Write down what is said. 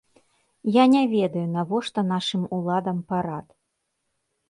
Я не ведаю, навошта нашым уладам парад.